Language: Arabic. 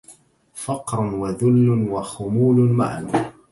فقر وذل وخمول معا